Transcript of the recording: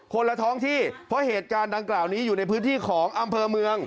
ละท้องที่เพราะเหตุการณ์ดังกล่าวนี้อยู่ในพื้นที่ของอำเภอเมือง